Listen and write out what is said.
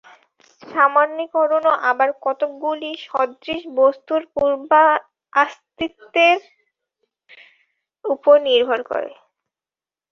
সামান্যীকরণও আবার কতকগুলি সদৃশ বস্তুর পূর্বাস্তিত্বের উপর নির্ভর করে।